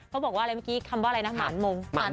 เขาบอกว่าอะไรคำว่าอะไรนะหมานมง